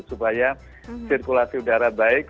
supaya sirkulasi udara baik